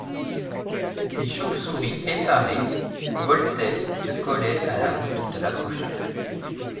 Des chauves-souris, effarées, voletaient, se collaient à la voûte de l’accrochage.